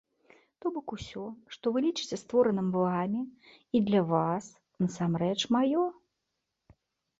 То бок усё, што вы лічыце створаным вамі і для вас, насамрэч маё.